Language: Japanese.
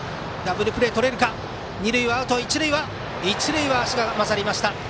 一塁は足が勝りました。